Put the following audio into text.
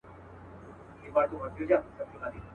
غړومبهارى د ټوپكو د توپو سو.